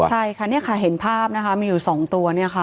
ใช่ค่ะเนี่ยค่ะเห็นภาพนะคะมีอยู่๒ตัวเนี่ยค่ะ